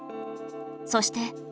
そして